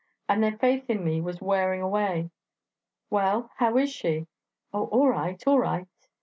and their faith in me was wearing away. 'Well? how is she?' 'Oh, all right, all right!'